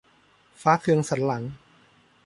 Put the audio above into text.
ฟ้าเคืองสันหลัง